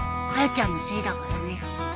ちゃんのせいだからね。